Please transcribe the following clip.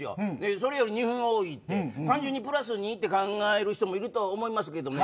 それより２分多いって単純にプラス２と考える人もいると思いますけどね。